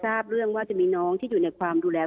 ทราบเรื่องว่าจะมีน้องที่อยู่ในความดูแล